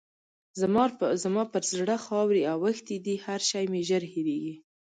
زما پر زړه خاورې اوښتې دي؛ هر شی مې ژر هېرېږي.